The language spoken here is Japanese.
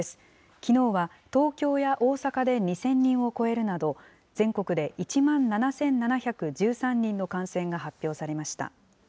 きのうは東京や大阪で２０００人を超えるなど、全国で１万７７１３人の感染が発表されました。